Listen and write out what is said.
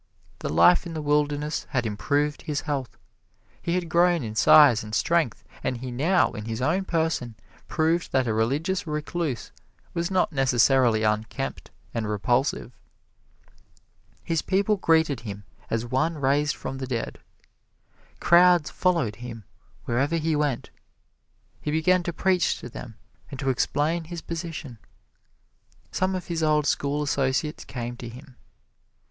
The life in the wilderness had improved his health. He had grown in size and strength and he now, in his own person, proved that a religious recluse was not necessarily unkempt and repulsive. His people greeted him as one raised from the dead. Crowds followed him wherever he went. He began to preach to them and to explain his position. Some of his old school associates came to him.